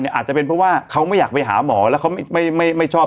อาจจะเป็นเพราะว่าเขาไม่อยากไปหาหมอแล้วเขาไม่ชอบ